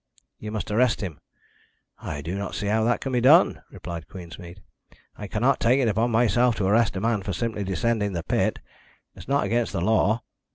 "You must arrest him." "I do not see how that can be done," replied Queensmead. "I cannot take upon myself to arrest a man simply for descending the pit. It's not against the law."